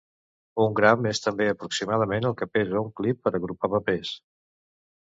Un gram és també aproximadament el que pesa un clip per agrupar papers.